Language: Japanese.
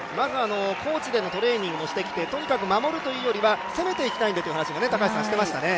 高地でのトレーニングもしてきて、とにかく守るというよりは攻めていきたいんだという話をしていましたね。